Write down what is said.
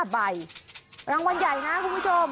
๕ใบรางวัลใหญ่นะคุณผู้ชม